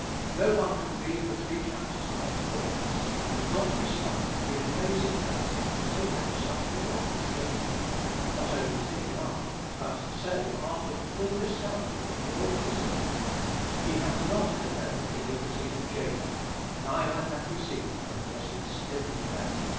No one can read the three chapters now before us and not be struck at the amazing grace that could take up such an one as Jacob; and not only take him up, but say, after the full discovery of all that was in him, "He hath not beheld iniquity in Jacob, neither hath he seen perverseness in Israel."